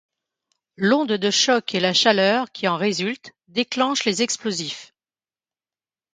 L’onde de choc et la chaleur qui en résultent déclenchent les explosifs.